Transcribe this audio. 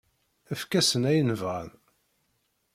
Efk-asen ayen bɣan.